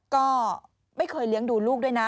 ก็ไม่เคยเลี้ยงดูลูกด้วยนะ